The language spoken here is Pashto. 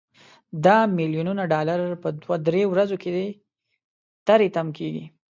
دا ملیونونه ډالر په دوه درې ورځو کې تري تم کیږي.